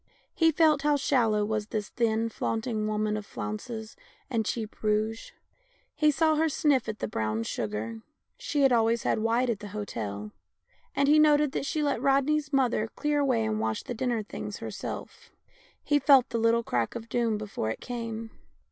He felt how shallow was this thin, flaunt ing woman of flounces and cheap rouge; he saw her 13 194 THE LANE THAT HAD NO TURNING sniff at the brown sugar — she had always had white at the hotel ; and he noted that she let Rodney's mother clear away and wash the dinner things herself. He felt the little crack of doom before it came.